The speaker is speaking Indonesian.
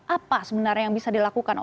apa sebenarnya yang bisa dilakukan